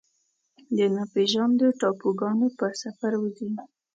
د ناپیژاندو ټاپوګانو په سفر وځي